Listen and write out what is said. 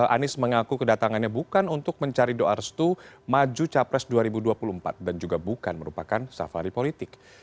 anies mengaku kedatangannya bukan untuk mencari doa restu maju capres dua ribu dua puluh empat dan juga bukan merupakan safari politik